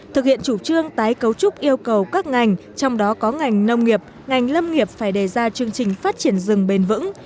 thực hiện chủ trương tái cấu trúc yêu cầu các ngành trong đó có ngành nông nghiệp ngành lâm nghiệp phải đề ra chương trình phát triển rừng bền vững